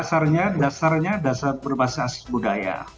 para pelajar dasarnya berbasis asis budaya